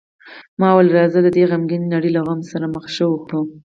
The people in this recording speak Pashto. ما وویل: راځه، د دې غمګینې نړۍ له غمو سره مخه ښه وکړو.